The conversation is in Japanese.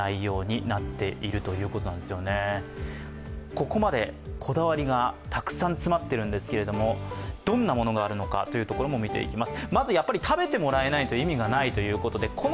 ここまでこだわりがたくさん詰まっているんですけれども、どんなものがあるのかというところも見ていきます。